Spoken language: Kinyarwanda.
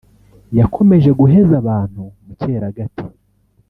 yakomeje guheza abantu mu cyeragati